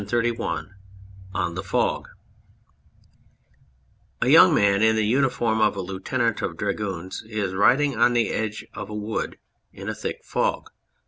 } 219 THE FOG (A young man in the uniform of a Lieutenant of Dragoons is riding on the edge of a wood in a thick fog.